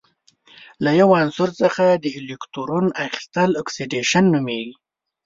له یو عنصر څخه د الکترون اخیستل اکسیدیشن نومیږي.